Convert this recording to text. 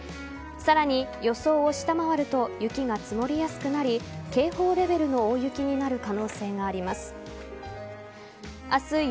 さらに予想を下回ると雪が積もりやすくなり警報レベルの大雪になる可能性があります。